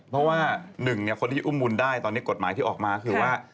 เพราะว่าหนึ่งคนที่อุ้มบุญได้ตอนนี้กฎหมายที่ออกมาคือว่า